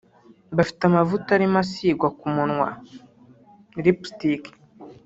Bafite amavuta arimo asigwa ku munwa (lipstick)